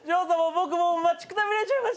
僕もう待ちくたびれちゃいました。